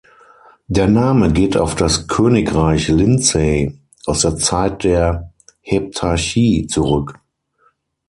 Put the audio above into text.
Der Name geht auf das Königreich Lindsey aus der Zeit der Heptarchie zurück.